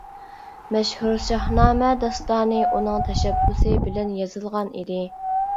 مەشھۇر «شاھنامە» داستانى ئۇنىڭ تەشەببۇسى بىلەن يېزىلغان ئىدى.